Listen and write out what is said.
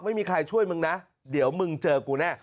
ไม่มีใครช่วยมึงนะเดี๋ยวมึงเจอกูแน่